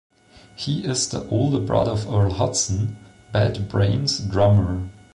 He is the older brother of Earl Hudson, Bad Brains' drummer.